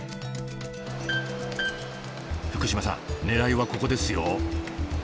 福島さん狙いはここですよ。